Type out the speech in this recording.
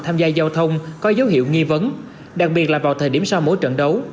tham gia giao thông có dấu hiệu nghi vấn đặc biệt là vào thời điểm sau mỗi trận đấu